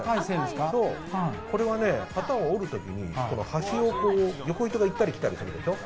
これは機を織るときに端を横糸が行ったり来たりするでしょ。